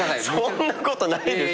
そんなことないって。